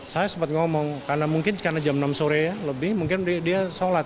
saya sempat ngomong karena mungkin karena jam enam sore ya lebih mungkin dia sholat